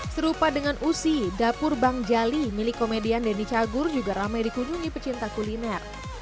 serupa dengan usi dapur bang jali milik komedian denny cagur juga ramai dikunjungi pecinta kuliner